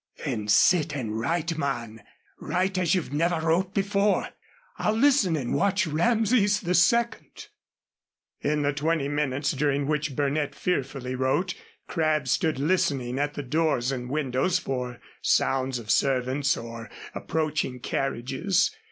"Then sit and write, man. Write as you never wrote before. I'll listen and watch Rameses the Second." In the twenty minutes during which Burnett fearfully wrote, Crabb stood listening at the doors and windows for sounds of servants or approaching carriages.